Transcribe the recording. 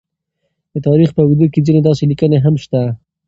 د تاریخ په اوږدو کې ځینې داسې لیکنې هم شته،